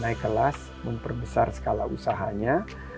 naik kelas memperbesar skala usahanya